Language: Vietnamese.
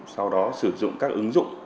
sau đó sử dụng các ứng dụng